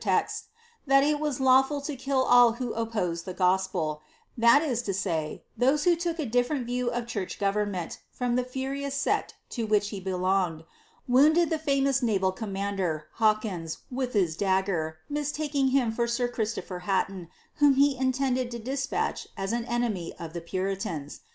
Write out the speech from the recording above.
texts, that i( was lawful in kill all who opposetl (he gospel — that is to say, those who look a different view of church government from (he furious sect to which he belonged — wounded the famous naval com mander, Hawkins, with his dagger, mistaking him for Sir Christopher Hution, whom he intended to despatch as an enemy of the Puritans.